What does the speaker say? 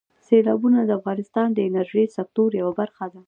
سیلابونه د افغانستان د انرژۍ سکتور یوه برخه ده.